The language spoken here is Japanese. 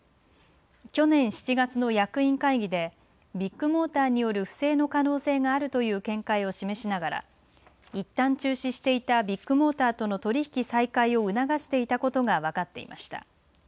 去年７月の役員会議でビッグモーターによる不正の可能性があるという見解を示しながらいったん中止していたビッグモーターとの取り引き再開を促していたことが分かっていました。